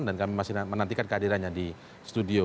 dan kami masih menantikan kehadirannya di studio